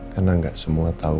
karena gak semua tau